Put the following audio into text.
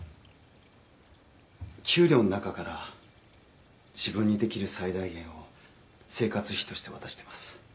給料の中から自分にできる最大限を生活費として渡してます。